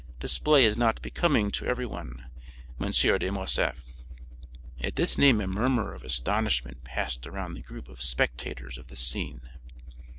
Display is not becoming to everyone, M. de Morcerf." At this name a murmur of astonishment passed around the group of spectators of this scene.